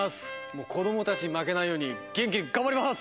もうこどもたちにまけないようにげんきにがんばります！